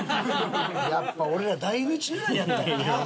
やっぱ俺ら大日如来やったんやな！